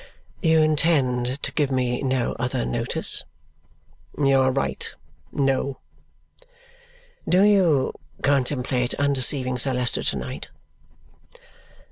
"You intend to give me no other notice?" "You are right. No." "Do you contemplate undeceiving Sir Leicester to night?"